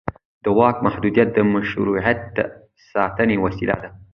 د واک محدودیت د مشروعیت د ساتنې وسیله ده